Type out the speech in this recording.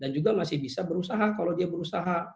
dan juga masih bisa berusaha kalau dia berusaha